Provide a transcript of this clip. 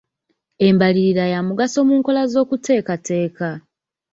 Embalirira ya mugaso mu nkola z'okuteekateeka.